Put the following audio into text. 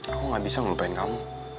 aku gak bisa melupain kamu